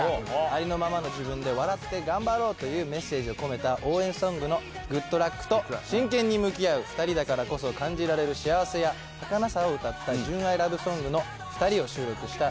ありのままの自分で笑って頑張ろうというメッセージを込めた応援ソングの「ＧｏｏｄＬｕｃｋ！」と真剣に向き合うふたりだからこそ感じられる幸せやはかなさを歌った純愛ラブソングの「ふたり」を収録したＳｉｘＴＯＮＥＳ